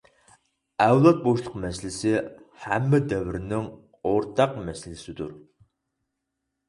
ئەۋلاد بوشلۇقى مەسىلىسى ھەممە دەۋرنىڭ ئورتاق مەسىلىسىدۇر.